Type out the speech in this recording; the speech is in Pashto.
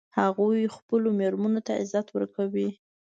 هغوی خپلو میرمنو ته عزت ورکوي